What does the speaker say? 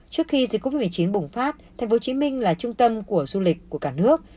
trước khi dịch covid một mươi chín bùng phát tp hcm là trung tâm của du lịch của cả nước